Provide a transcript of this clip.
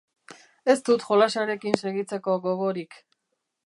Ez dut jolasarekin segitzeko gogorik.